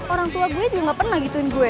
orang tua gue juga gak pernah gituin gue